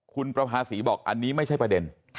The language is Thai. คุณประภาษีบอกอันนี้ไม่ใช่ประเด็น